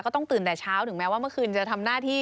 ต้องตื่นแต่เช้าถึงแม้ว่าเมื่อคืนจะทำหน้าที่